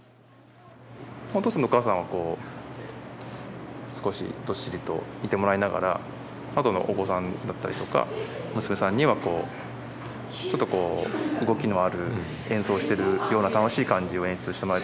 おとうさんとおかあさんはこう少しどっしりといてもらいながらあとのお子さんだったりとか娘さんにはこうちょっとこう動きのある演奏しているような楽しい感じを演出してもらいたくって。